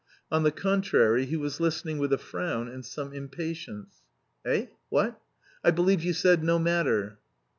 On the contrary, he was listening with a frown and some impatience. "Eh? What? I believe you said 'no matter.'"